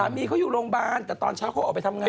มีเขาอยู่โรงพยาบาลแต่ตอนเช้าเขาออกไปทำไง